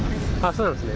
そうなんですね。